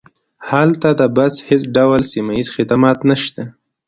هلته د بس هیڅ ډول سیمه ییز خدمات نشته